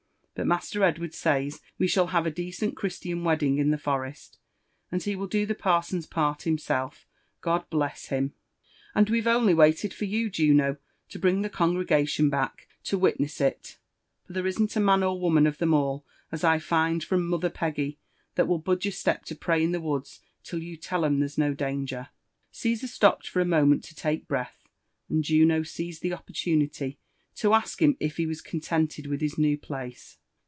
But Master Edward says we shall have a decent Christian wedding in the forsat and he will do the parson's part himself, God bless Mm t and we've pnly waited for you, Juno, to bring the congregation back to WitnesB JONATHAN JEFFBRSON WHITLAW. »&& it — tor there isn't a maD or ^oman of them all, as I find from mother Peggy, that will budge a step to pray in the woods till you tell 'em there's no danger." Cesar stopped for a moment to take breath, and Juno seized the opportunity to ask him if he was contented with his new place.